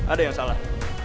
ada yang salah